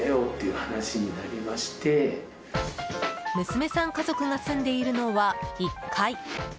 娘さん家族が住んでいるのは１階。